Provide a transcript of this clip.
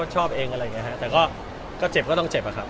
ก็เชียร์ขุนเยอะนะครับ